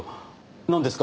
なんですか？